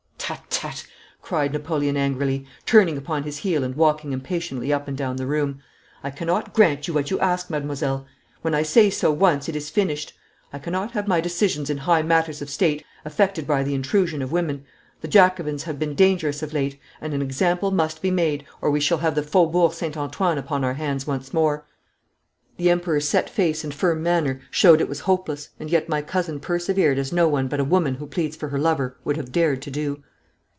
'Tut, tut!' cried Napoleon angrily, turning upon his heel and walking impatiently up and down the room. 'I cannot grant you what you ask, mademoiselle. When I say so once it is finished. I cannot have my decisions in high matters of State affected by the intrusion of women. The Jacobins have been dangerous of late, and an example must be made or we shall have the Faubourg St. Antoine upon our hands once more.' The Emperors set face and firm manner showed it was hopeless, and yet my cousin persevered as no one but a woman who pleads for her lover would have dared to do.